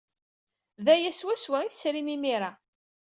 D aya swaswa ay tesrim imir-a.